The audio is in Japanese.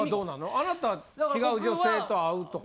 あなたは違う女性と会うとか。